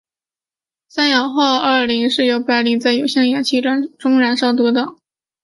三氧化二磷由白磷在有限的氧气中燃烧得到。